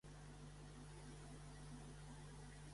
Mars Institute (Canadà) té la seu a Vancouver, Colúmbia Britànica.